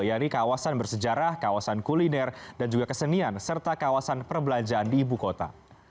yaitu kawasan bersejarah kawasan kuliner dan juga kesenian serta kawasan perbelanjaan di ibu kota